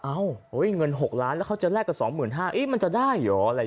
เอ้าเงิน๖ล้านแล้วเขาจะแลกกับ๒๕๐๐๐บาทมันจะได้หรอ